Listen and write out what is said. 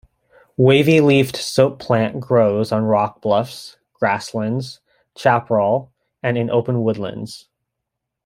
Wavy-leafed soap plant grows on rock bluffs, grasslands, chaparral, and in open woodlands.